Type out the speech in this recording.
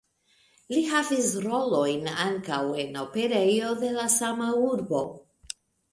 Li havis rolojn ankaŭ en operejo de la sama urbo.